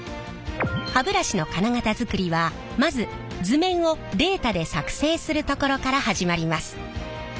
歯ブラシの金型づくりはまず図面をデータで作成するところから始まります。